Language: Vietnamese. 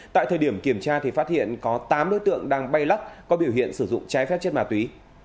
tại thời điểm kiểm tra thì phát hiện có tám đối tượng đang bay lắc có biểu hiện sử dụng trái phép chất ma túy